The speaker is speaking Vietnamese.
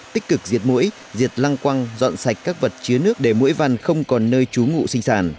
tích cực diệt mũi diệt lăng quăng dọn sạch các vật chứa nước để mũi vằn không còn nơi trú ngụ sinh sản